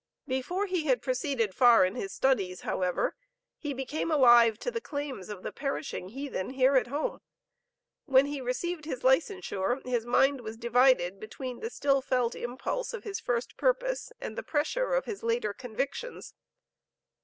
Before he had proceeded far in his studies, however, he became alive to the claims of the 'perishing heathen' here at home. When he received his licensure, his mind was divided between the still felt impulse of his first purpose and the pressure of his later convictions.